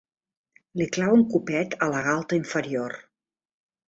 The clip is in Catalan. Li clava un copet a la galta inferior.